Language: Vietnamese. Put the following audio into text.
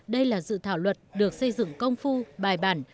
đây là dự thảo luật được xây dựng công phu bài bản